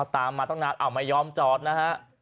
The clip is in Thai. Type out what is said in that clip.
ตามมาตั้งนานไม่ยอมจอดนะฮะ